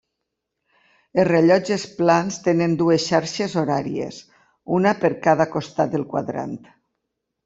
Els rellotges plans tenen dues xarxes horàries, una per cada costat del quadrant.